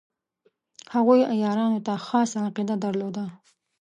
هغوی عیارانو ته خاصه عقیده درلوده.